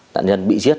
nạn nhân bị giết